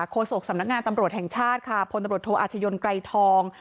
โศกสำนักงานตำรวจแห่งชาติค่ะพลตำรวจโทอาชญนไกรทอง